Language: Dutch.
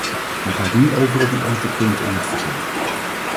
Dan ga ik nu over op een aantal punten in het verslag.